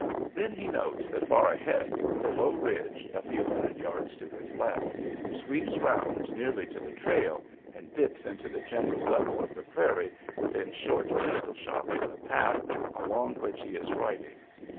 Then he notes that far ahead the low ridge, a few hundred yards to his left, sweeps round nearly to the trail, and dips into the general level of the prairie within short pistol shot of the path along which he is riding.